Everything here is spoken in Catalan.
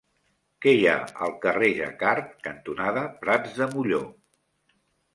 Què hi ha al carrer Jacquard cantonada Prats de Molló?